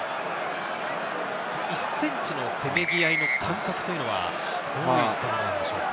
１センチのせめぎ合いの感覚というのはどういったものなんでしょうか？